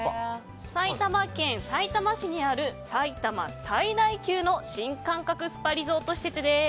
埼玉県さいたま市にある埼玉最大級の新感覚スパリゾート施設です。